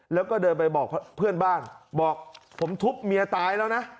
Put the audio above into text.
แล้วก็เดินไปบอกเพื่อนบ้านบอกผมทุบเมียตายแล้วนะ